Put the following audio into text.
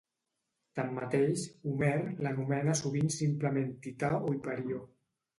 Tanmateix, Homer l'anomena sovint simplement Tità o Hiperió.